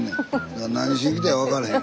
だから何しに来たか分からへん。